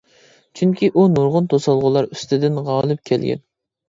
چۈنكى ئۇ نۇرغۇن توسالغۇلار ئۈستىدىن غالىب كەلگەن!